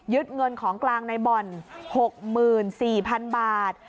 เงินของกลางในบ่อน๖๔๐๐๐บาท